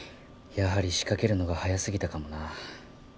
やはり仕掛けるのが早すぎたかもな。